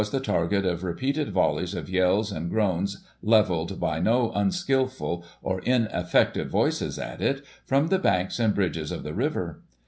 [1844 the target of repeated voUies of yells and groans, levelled by no unskilful, or ineffective voices at it, from the banks and bridges of the river.